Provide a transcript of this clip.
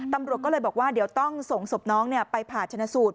ตำรวจก็เลยบอกว่าเดี๋ยวต้องส่งศพน้องไปผ่าชนะสูตร